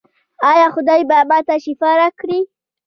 ایا خدای به ما ته شفا راکړي؟